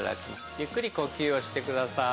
ゆっくり呼吸をしてください。